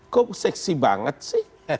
kok seksi banget sih